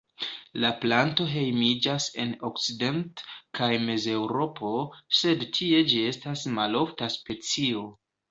La planto hejmiĝas en Okcident- kaj Mezeŭropo, sed tie ĝi estas malofta specio.